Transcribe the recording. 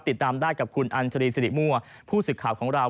ติดตามได้กับคุณอัญชรีสิริมั่วผู้สึกข่าวของเรา